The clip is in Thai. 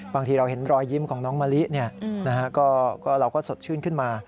บางทีเราเห็นรอยยิ้มของน้องมะลิเราก็สดชื่นขึ้นมา